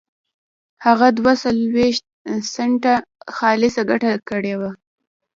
هغه دوه څلوېښت سنټه خالصه ګټه کړې وه.